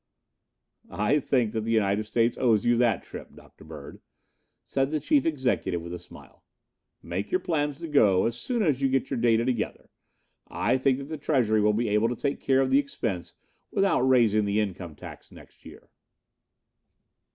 "I think that the United States owes you that trip, Dr. Bird," said the Chief Executive with a smile. "Make your plans to go as soon as you get your data together. I think that the Treasury will be able to take care of the expense without raising the income tax next year."